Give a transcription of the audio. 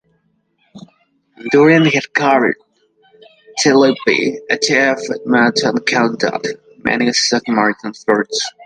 During her career, "Tullibee" achieved much and conducted many submarine firsts.